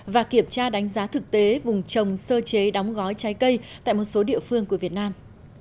và kiểm tra đánh giá thực tế vùng trồng sơ chế đóng gói trái cây tại một số địa phương của việt nam